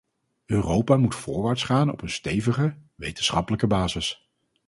Europa moet voorwaarts gaan op een stevige, wetenschappelijke basis.